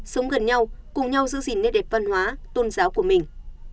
sống gần nhau cùng nhau giữ gìn nét đẹp văn hóa tôn giáo của mình